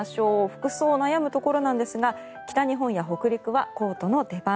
服装、悩むところですが北日本や北陸はコートの出番。